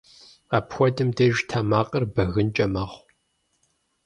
Апхуэдэм деж тэмакъыр бэгынкӏэ мэхъу.